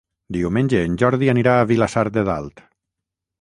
Diumenge en Jordi anirà a Vilassar de Dalt.